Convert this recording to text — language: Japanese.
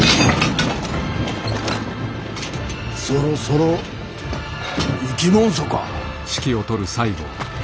そろそろ行きもんそか。